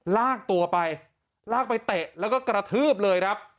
ลากตัวไปลากไปเตะแล้วก็กระทืบเลยครับ